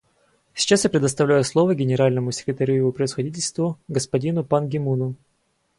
Сейчас я предоставляю слово Генеральному секретарю Его Превосходительству господину Пан Ги Муну.